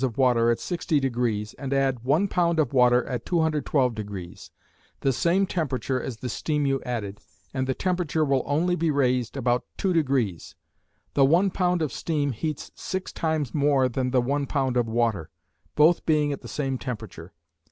of water at 60° and add one pound of water at 212° the same temperature as the steam you added, and the temperature will only be raised about 2°. The one pound of steam heats six times more than the one pound of water, both being at the same temperature.